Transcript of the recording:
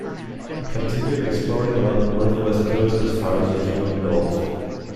He continued exploring along the north west coast as far as the Huon Gulf.